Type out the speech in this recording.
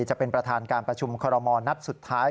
จะเป็นประธานการประชุมคอรมอลนัดสุดท้าย